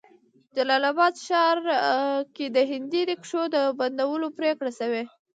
جلال آباد ښار کې د هندي ريکشو د بندولو پريکړه شوې